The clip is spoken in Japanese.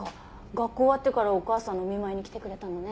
学校終わってからお母さんのお見舞いに来てくれたのね。